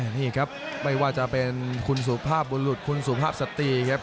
นี่ครับไม่ว่าจะเป็นคุณสุภาพบุรุษคุณสุภาพสตรีครับ